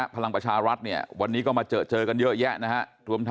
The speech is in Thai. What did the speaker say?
พลังประชารัฐวันนี้ก็มาเจอกันเยอะแยะนะครับ